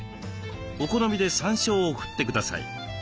お好みでさんしょうを振ってください。